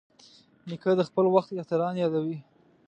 نیکه د خپل وخت اتلان یادوي.